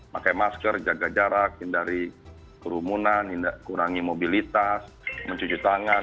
pakai masker jaga jarak hindari kerumunan kurangi mobilitas mencuci tangan